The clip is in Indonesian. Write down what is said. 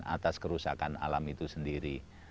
atas kerusakan alam itu sendiri